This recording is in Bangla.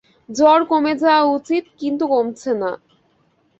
জ্বর কমে যাওয়া উচিত, কিন্তু কমছে না।